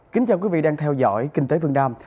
kính chào quý vị đang theo dõi kinh tế vương nam